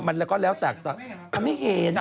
มันก็แล้วแต่ก็ไม่เห็น